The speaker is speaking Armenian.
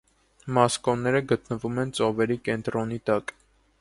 Մասկոնները գտնվում են ծովերի կենտրոնի տակ։